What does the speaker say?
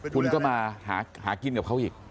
คุณก็มาหากินกับเขาอีก